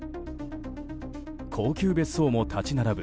高級別荘も立ち並ぶ